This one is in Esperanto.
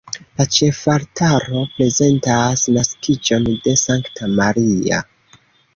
La ĉefaltaro prezentas naskiĝon de Sankta Maria.